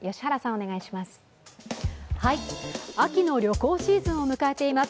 お願いします。